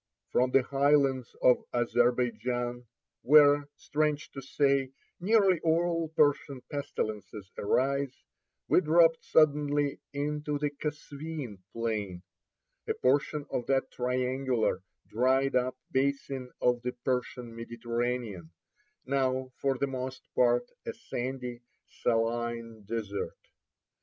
From the high lands of Azerbeidjan, where, strange to say, nearly all Persian pestilences arise, we dropped suddenly into the Kasveen plain, a portion of that triangular, dried up basin of the Persian Mediterranean, now for the most part a sandy, saline desert.